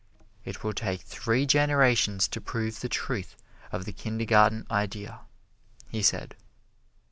"It will take three generations to prove the truth of the Kindergarten Idea," he said.